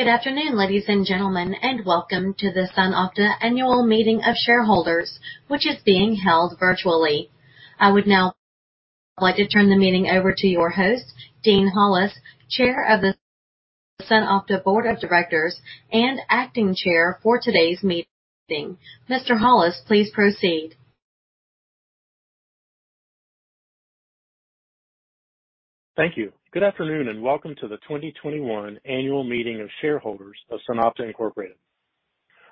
Good afternoon, ladies and gentlemen, and welcome to the SunOpta Annual Meeting of Shareholders, which is being held virtually. I would now like to turn the meeting over to your host, Dean Hollis, Chair of the SunOpta Board of Directors and acting chair for today's meeting. Mr. Hollis, please proceed. Thank you. Good afternoon, welcome to the 2021 annual meeting of shareholders of SunOpta Incorporated.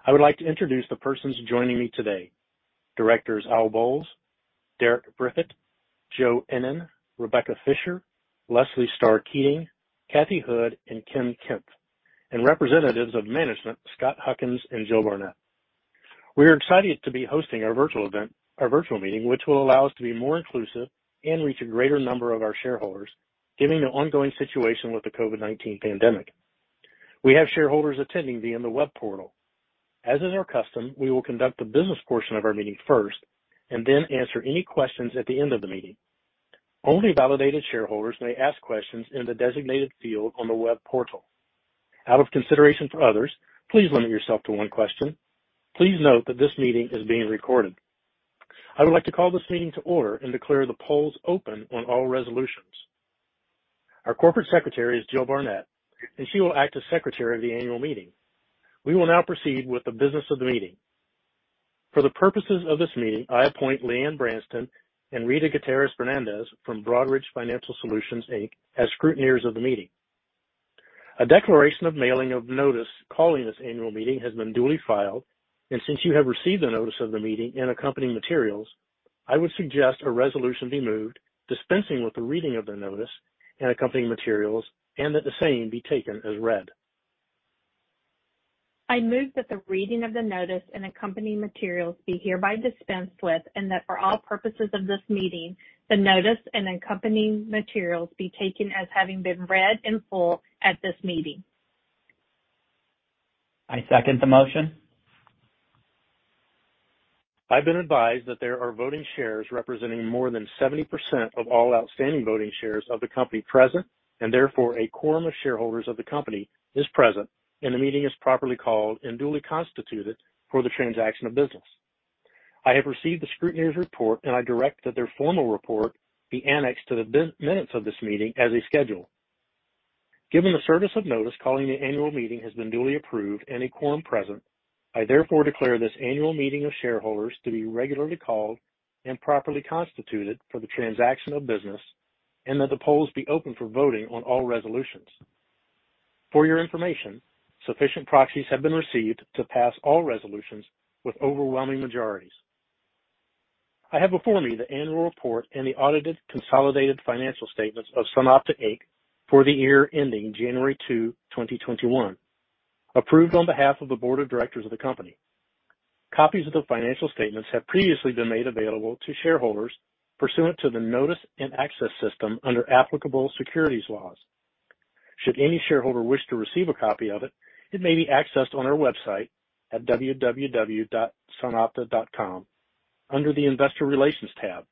I would like to introduce the persons joining me today. Directors Al Bolles, Derek Briffett, Joe Ennen, Rebecca Fisher, Leslie Starr Keating, Katrina Houde, and Ken Kempf, and representatives of management, Scott Huckins and Jill Barnett. We are excited to be hosting our virtual meeting, which will allow us to be more inclusive and reach a greater number of our shareholders given the ongoing situation with the COVID-19 pandemic. We have shareholders attending via the web portal. As is our custom, we will conduct the business portion of our meeting first and then answer any questions at the end of the meeting. Only validated shareholders may ask questions in the designated field on the web portal. Out of consideration for others, please limit yourself to one question. Please note that this meeting is being recorded. I would like to call this meeting to order and declare the polls open on all resolutions. Our Corporate Secretary is Jill Barnett, and she will act as secretary of the annual meeting. We will now proceed with the business of the meeting. For the purposes of this meeting, I appoint Leigh Anne Branston and Rita Gutierrez Fernandez from Broadridge Financial Solutions, Inc., as scrutineers of the meeting. A declaration of mailing of notice calling this annual meeting has been duly filed, and since you have received a notice of the meeting and accompanying materials, I would suggest a resolution be moved dispensing with the reading of the notice and accompanying materials and that the same be taken as read. I move that the reading of the notice and accompanying materials be hereby dispensed with and that for all purposes of this meeting, the notice and accompanying materials be taken as having been read in full at this meeting. I second the motion. I've been advised that there are voting shares representing more than 70% of all outstanding voting shares of the company present, and therefore a quorum of shareholders of the company is present, and the meeting is properly called and duly constituted for the transaction of business. I have received the scrutineer's report, and I direct that their formal report be annexed to the minutes of this meeting as a schedule. Given the service of notice calling the annual meeting has been duly approved and a quorum present, I therefore declare this annual meeting of shareholders to be regularly called and properly constituted for the transaction of business, and that the polls be open for voting on all resolutions. For your information, sufficient proxies have been received to pass all resolutions with overwhelming majorities. I have before me the annual report and the audited consolidated financial statements of SunOpta Inc. For the year ending January 2, 2021, approved on behalf of the board of directors of the company. Copies of the financial statements have previously been made available to shareholders pursuant to the notice and access system under applicable securities laws. Should any shareholder wish to receive a copy of it may be accessed on our website at www.sunopta.com under the investor relations tab.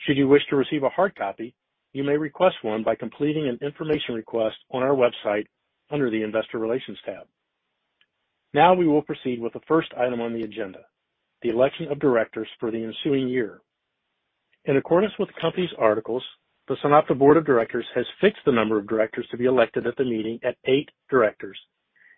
Should you wish to receive a hard copy, you may request one by completing an information request on our website under the investor relations tab. Now, we will proceed with the first item on the agenda, the election of directors for the ensuing year. In accordance with the company's articles, the SunOpta board of directors has fixed the number of directors to be elected at the meeting at eight directors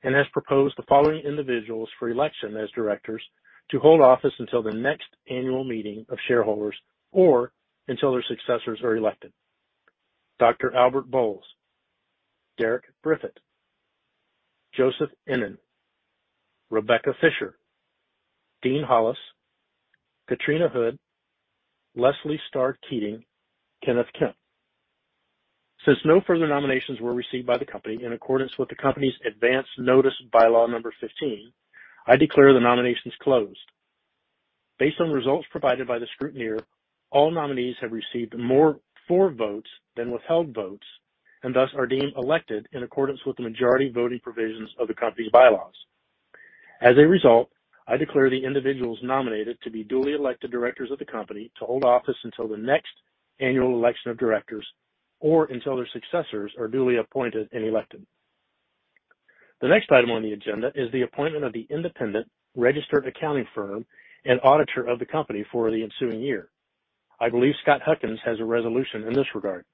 and has proposed the following individuals for election as directors to hold office until the next annual meeting of shareholders or until their successors are elected. Dr. Albert Bolles, Derek Briffett, Joseph Ennen, Rebecca Fisher, Dean Hollis, Katrina Houde, Leslie Starr Keating, Kenneth Kempf. Since no further nominations were received by the company in accordance with the company's advanced notice bylaw number 15, I declare the nominations closed. Based on results provided by the scrutineer, all nominees have received more for votes than withheld votes and thus are deemed elected in accordance with the majority voting provisions of the company bylaws. As a result, I declare the individuals nominated to be duly elected directors of the company to hold office until the next annual election of directors or until their successors are duly appointed and elected. The next item on the agenda is the appointment of the independent registered accounting firm and auditor of the company for the ensuing year. I believe Scott Huckins has a resolution in this regard.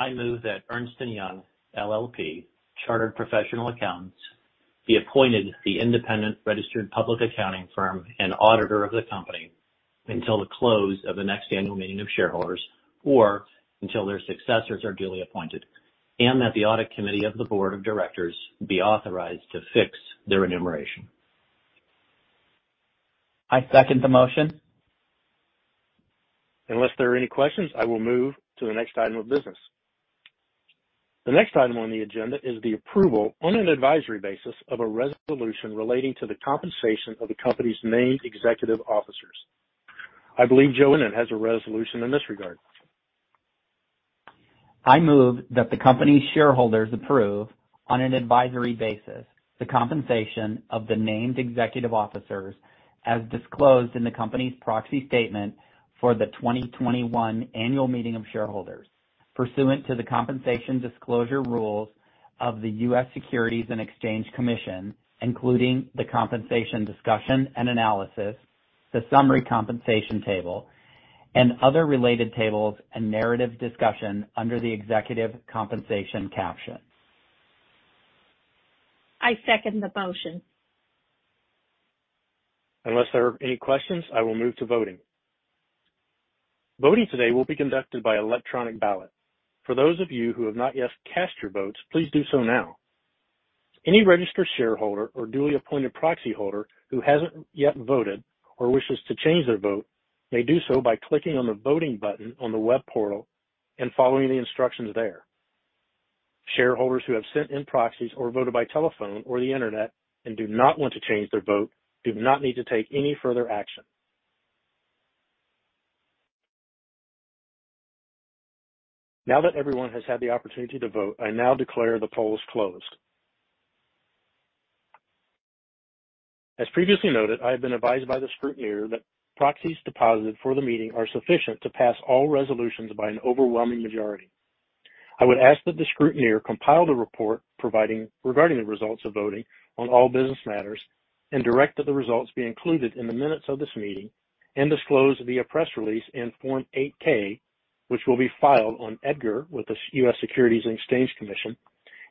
I move that Ernst & Young LLP, chartered professional accountants, be appointed the independent registered public accounting firm and auditor of the company until the close of the next annual meeting of shareholders or until their successors are duly appointed and that the audit committee of the board of directors be authorized to fix their remuneration. I second the motion. Unless there are any questions, I will move to the next item of business. The next item on the agenda is the approval on an advisory basis of a resolution relating to the compensation of the company's named executive officers. I believe Joe Ennen has a resolution in this regard. I move that the company's shareholders approve. On an advisory basis, the compensation of the named executive officers as disclosed in the company's proxy statement for the 2021 annual meeting of shareholders pursuant to the compensation disclosure rules of the U.S. Securities and Exchange Commission, including the compensation discussion and analysis, the summary compensation table, and other related tables and narrative discussion under the executive compensation caption. I second the motion. Unless there are any questions, I will move to voting. Voting today will be conducted by electronic ballot. For those of you who have not yet cast your votes, please do so now. Any registered shareholder or duly appointed proxy holder who hasn't yet voted or wishes to change their vote may do so by clicking on the voting button on the web portal and following the instructions there. Shareholders who have sent in proxies or voted by telephone or the internet and do not want to change their vote do not need to take any further action. Now that everyone has had the opportunity to vote, I now declare the polls closed. As previously noted, I have been advised by the scrutineer that proxies deposited for the meeting are sufficient to pass all resolutions by an overwhelming majority. I would ask that the scrutineer compile the report regarding the results of voting on all business matters and direct that the results be included in the minutes of this meeting and disclosed via press release in Form 8-K, which will be filed on EDGAR with the U.S. Securities and Exchange Commission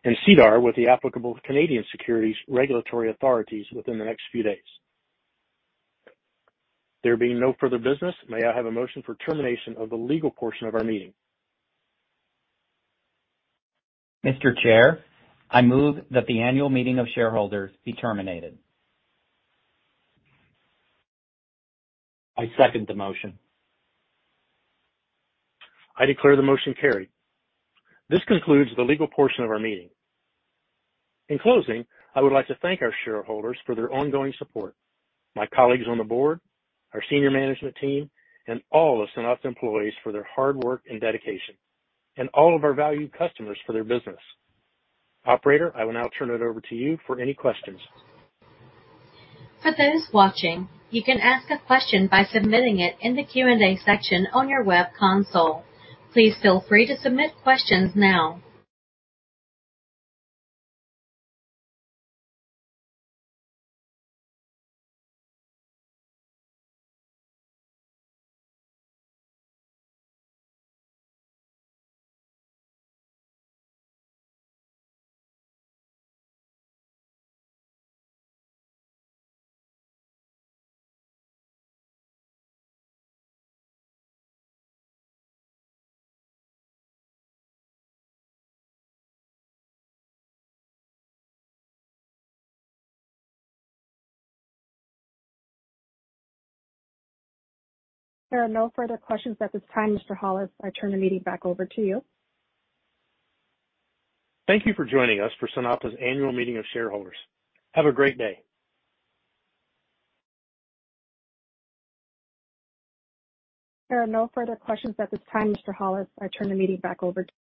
and SEDAR with the applicable Canadian securities regulatory authorities within the next few days. There being no further business, may I have a motion for termination of the legal portion of our meeting? Mr. Chair, I move that the annual meeting of shareholders be terminated. I second the motion. I declare the motion carried. This concludes the legal portion of our meeting. In closing, I would like to thank our shareholders for their ongoing support, my colleagues on the board, our senior management team, and all the SunOpta employees for their hard work and dedication, and all of our valued customers for their business. Operator, I will now turn it over to you for any questions. For those watching, you can ask a question by submitting it in the Q&A section on your web console. Please feel free to submit questions now. There are no further questions at this time, Mr. Hollis. I turn the meeting back over to you. Thank you for joining us for SunOpta's annual meeting of shareholders. Have a great day. There are no further questions at this time, Mr. Hollis. I turn the meeting back over to you.